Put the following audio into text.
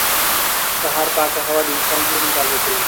سهار پاکه هوا د انسان ذهن تازه کوي